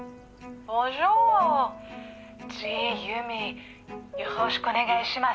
「ジン優美よろしくお願いします。